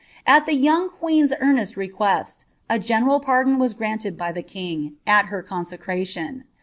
At the young queen's earnest request, a general ■don was granted by the king, at her consecration."'